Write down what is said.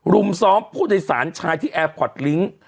รุมซ้อมผู้โดยสารชายที่แอร์พอร์ตลิงค์